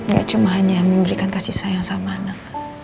gak cuma hanya memberikan kasih sayang sama anak